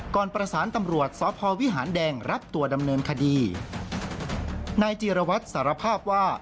ก่อนประสานตำรวจสพวิหารแดงรับตัวดำเนินคดีนายจีรวัตรสารภาพว่า